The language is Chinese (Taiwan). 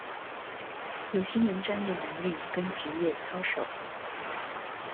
有新聞專業能力跟職業操守